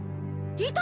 いた！